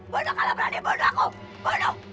bunuh kalau berani bunuh aku bunuh